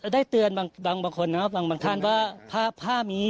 ได้เตือนบางคนนะบางท่านว่าผ้ามี